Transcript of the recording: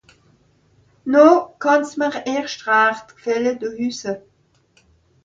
No kànn's mìr erscht rächt gfàlle do hüsse